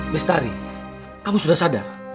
bestari kamu sudah sadar